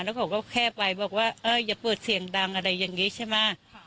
เค้าก็แค่ไปบอกว่าเอ้ยอย่าเปิดเสียงดังอันนี้ใช่เปล่า